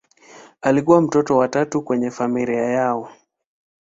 Alikuwa mtoto wa tatu kwenye familia yao.